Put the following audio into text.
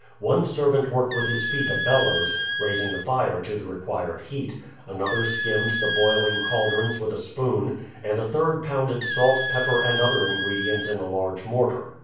One servant worked with his feet a bellows, raising the fire to the required heat; another skimmed the boiling caldrons with a spoon; and a third pounded salt, pepper, and other ingredients in a large mortar.